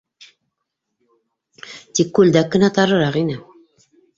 Тик күлдәк кенә тарыраҡ ине.